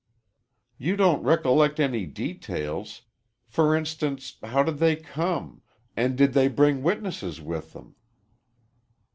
"You don't recollect any details. For instance, how did they come and did they bring witnesses with them?"